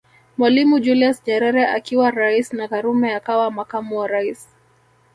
Mwalimu Julius Nyerere akiwa rais na Karume akawa makamu wa rais